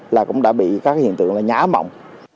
là cũng đã bị các hiện tượng là nhã mọng